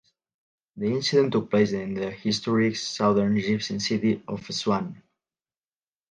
The incident took place in the historic southern Egyptian city of Aswan.